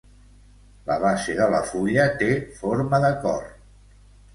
La base de la fulla té forma de cor.